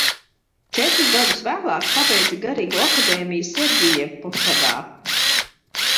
Četrus gadus vēlāk pabeidza garīgo akadēmiju Sergijevposadā.